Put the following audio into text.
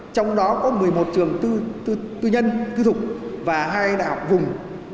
trong đó có một mươi một trường tư nhân tư thục và hai đại học vùng